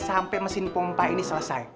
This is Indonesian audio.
sampai mesin pompa ini selesai